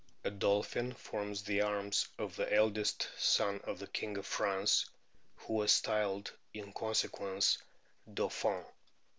A dolphin forms the arms of the eldest son of the King of France, who was styled in con sequence " Dauphin."